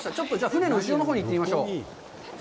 船の後ろのほうに行ってみましょう。